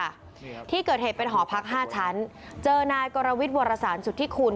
ที่เกิดเหตุเป็นหอพักห้าชั้นเจอนายกรวิทยวรสารสุทธิคุณ